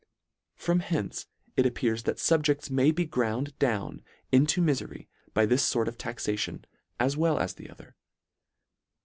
From hence it appears that fubjecls may be ground down into mifery by this fort of taxation as well as the other.